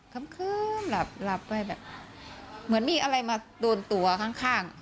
คำหลับหลับไปแบบเหมือนมีอะไรมาโดนตัวข้าง